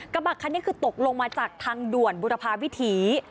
กระบะคันนี้คือตกลงมาจากทางด่วนบุรพาวิถี